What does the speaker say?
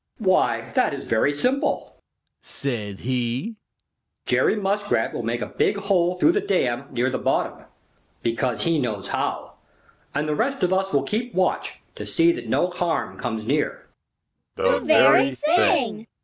"Why, that is very simple," said he, "Jerry Muskrat will make a big hole through the dam near the bottom, because he knows how, and the rest of us will keep watch to see that no harm comes near." "The very thing!"